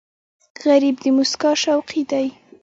غریب د موسکا شوقي دی